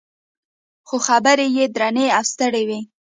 خو خبرې یې درنې او ستړې وې.